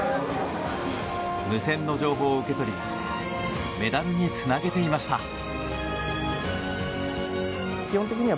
無線の情報を受け取りメダルにつなげていました。